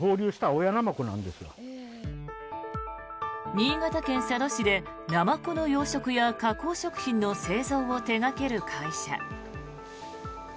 新潟県佐渡市でナマコの養殖や加工食品の製造を手掛ける会社。